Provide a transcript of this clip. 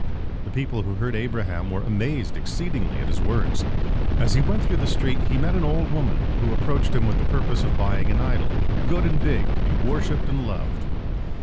The people who heard Abraham were amazed exceedingly at his words. As he went through the streets, he met an old woman who approached him with the purpose of buying an idol, good and big, to be worshipped and loved.